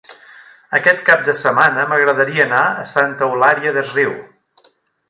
Aquest cap de setmana m'agradaria anar a Santa Eulària des Riu.